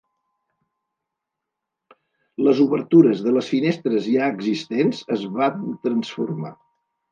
Les obertures de les finestres ja existents, es van transformar.